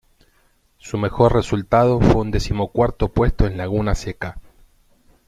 Su mejor resultado fue un decimocuarto puesto en Laguna Seca.